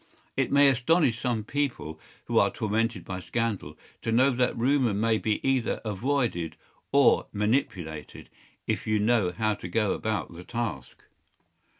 It may astonish some people, who are tormented by scandal, to know that rumour may be either avoided or “manipulated,” if you know how to go about the task.